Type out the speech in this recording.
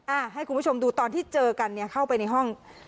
ให้คุณผู้ชมดูตอนที่เจอกันเนี่ยเข้าไปในห้อง